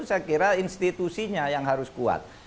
saya kira institusinya yang harus kuat